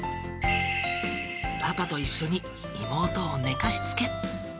パパと一緒に妹を寝かしつけ。